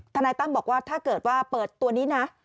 นายตั้มบอกว่าถ้าเกิดว่าเปิดตัวนี้นะ